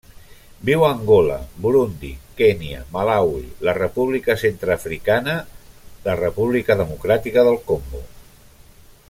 Viu a Angola, Burundi, Kenya, Malawi, la República Centreafricana, la República Democràtica del Congo.